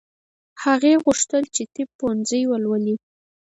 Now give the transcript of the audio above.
هغې غوښتل چې طب پوهنځی ولولي